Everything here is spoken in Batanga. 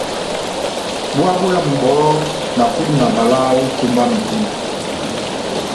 Búwa bóyámu bohó, na kudu na valaha ó etómba yá medímo.